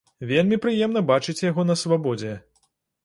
Вельмі прыемна бачыць яго на свабодзе.